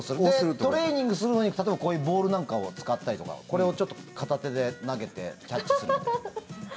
トレーニングするのに例えばこういうボールなんかを使ったりとか、これを片手で投げてキャッチする。